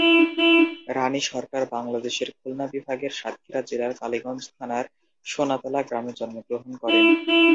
রানী সরকার বাংলাদেশের খুলনা বিভাগের সাতক্ষীরা জেলার কালীগঞ্জ থানার সোনাতলা গ্রামে জন্মগ্রহণ করেন।